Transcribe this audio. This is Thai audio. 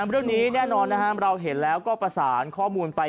เรื่องนี้แน่นอนเราเห็นแล้วก็ประสานข้อมูลไป